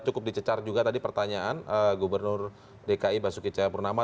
cukup dicecar juga tadi pertanyaan gubernur dki basuki cahayapurnama